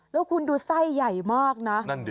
แล้วคุณดูไส้ใหญ่มากนะ